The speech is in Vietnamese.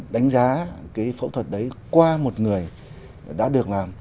đánh giá cái phẫu thuật đấy qua một người đã được làm